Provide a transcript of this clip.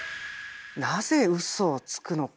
なぜウソをつくのか。